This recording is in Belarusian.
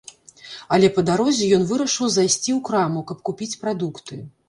Але па дарозе ён вырашыў зайсці ў краму, каб купіць прадукты.